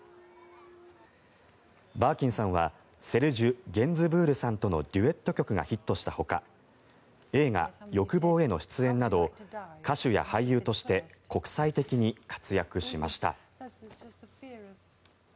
バーキンさんはセルジュ・ゲンズブールさんとのデュエット曲がヒットしたほか映画「欲望」への出演など歌手や俳優として国際的に活躍しました。